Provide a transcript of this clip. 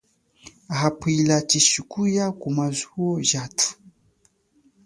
Hala pwila tshishikupwa kuya kumazuwo jathu.